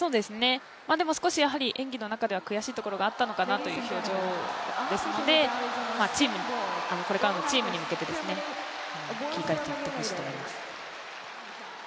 少しやはり演技の中では悔しいところがあったのかなという表情ですので、これからのチームに向けて、切り替えていってほしいと思います。